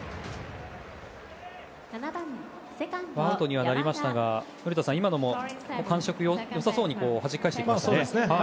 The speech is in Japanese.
アウトにはなりましたが古田さん、今のも感触は良さそうにはじき返していきましたね。